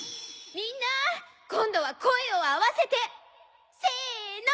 みんな今度は声を合わせてせの！